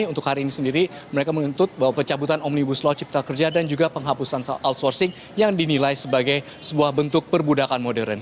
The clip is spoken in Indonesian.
untuk hari ini sendiri mereka menuntut bahwa pencabutan omnibus law cipta kerja dan juga penghapusan outsourcing yang dinilai sebagai sebuah bentuk perbudakan modern